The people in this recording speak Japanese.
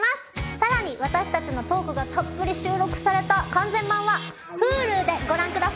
さらに私たちのトークがたっぷり収録された完全版はＨｕｌｕでご覧ください。